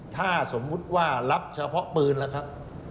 ถ้าสมมุติว่ารับเฉพาะปืนล่ะครับ